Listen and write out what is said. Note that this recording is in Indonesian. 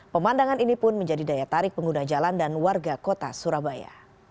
pemandangan ini pun menjadi daya tarik pengguna jalan dan warga kota surabaya